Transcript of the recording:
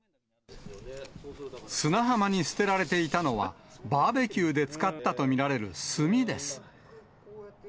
砂浜に捨てられていたのは、バーベキューで使ったとみられる炭です。